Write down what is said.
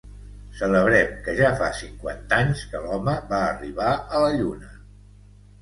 Celebrem que ja fa cinquanta anys que l'home va arribar a la Lluna.